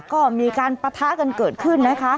ก็มีการปะทะกันเกิดขึ้นนะคะ